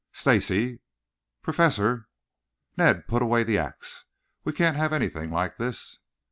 "Stacy!" "Professor!" "Ned, put away that axe. We can't have anything like this."